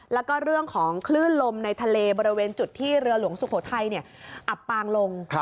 แล้วก็เรื่องของคลื่นลมในทะเลบริเวณจุดที่เรือหลวงสุโขทัยอับปางลง